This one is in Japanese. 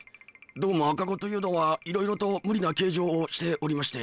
どうも赤子というのはいろいろと無理な形状をしておりまして。